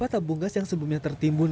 tabung gas yang sebelumnya tertimbun